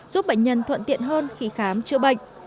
giúp bệnh nhân thuận tiện hơn khi khám chữa bệnh